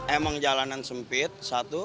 emang jalanan sempit satu